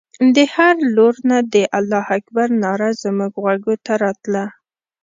د هرې لور نه د الله اکبر ناره زموږ غوږو ته راتلله.